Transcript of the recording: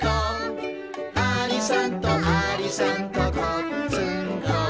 「ありさんとありさんとこっつんこ」